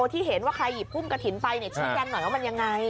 ที่เห็นว่าใครหยิบพุ่มกระถิ่นไปชี้แจงหน่อยว่ามันยังไง